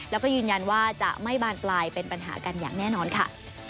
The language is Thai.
แล้วก็ยืนยันว่าจะไม่บานปลายเป็นปัญหากันอย่างแน่นอนค่ะ